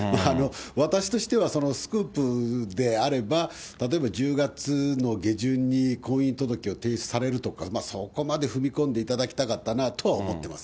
私としてはスクープであれば、例えば１０月の下旬に婚姻届を提出されるとか、そこまで踏み込んでいただきたかったなとは思ってます。